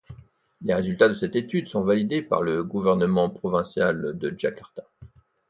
Les résultats de cette étude sont validés par le gouvernement provincial de Jakarta.